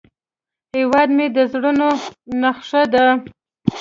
هیواد مې د زړونو نخښه ده